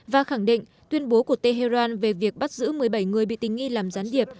và khẳng định tuyên bố của tehran về việc bắt giữ một mươi bảy người bị tình nghi làm gián điệp